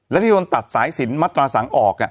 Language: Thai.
แล้วที่โดนตัดสายศีลมัดราศังออก